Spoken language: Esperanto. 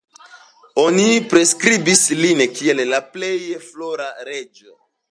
Oni priskribis lin kiel la plej glora reĝo.